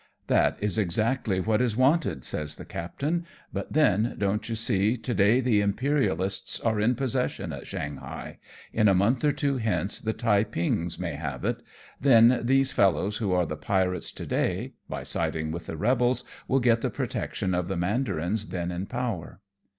" That is exactly what is wanted," says the captain ;" but then, don't you see, td day the Imperialists are in possession at Shanghai; in a month or two hence the Taipings may have it ; then, these fellows who are the pirates to day, by siding with the rebels, will get the protection of the mandarins then in power."